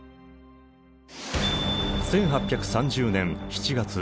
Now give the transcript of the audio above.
１８３０年７月。